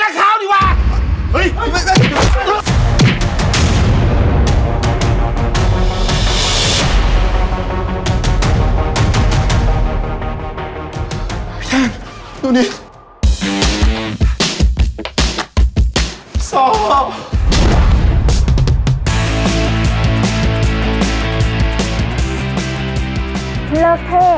คือ